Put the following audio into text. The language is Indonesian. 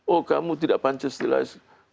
oh kamu tidak pancasila kita sayang pancasila